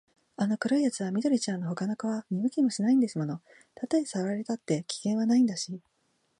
あの黒いやつは緑ちゃんのほかの子は見向きもしないんですもの。たとえさらわれたって、危険はないんだし、